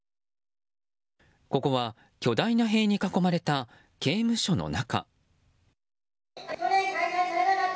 ここは巨大な塀に囲まれた刑務所の中。